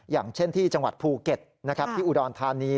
อย่างเช่นที่จังหวัดภูเก็ตที่อุดรธานี